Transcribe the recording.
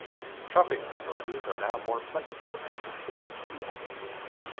Shopping facilities are now more plentiful and continue to be added.